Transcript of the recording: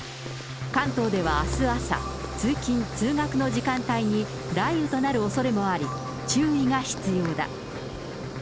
関東ではあす朝、通勤・通学の時間帯に、雷雨となるおそれもあり、注意が必要だ。